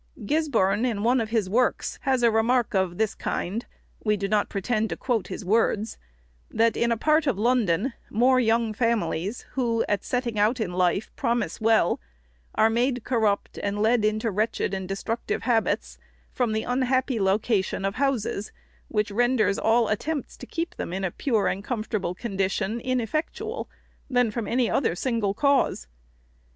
Gisborne, in one of his works, has a remark of this kind, (we do not pretend to quote his words,) that in a part of London, more young families, who, at setting out in life, promise well, are made corrupt, and led into wretched and destructive habits, from the unhappy location of houses, which renders all attempts to keep them in a pure and comfortable condition ineffectual, than from any other single cause.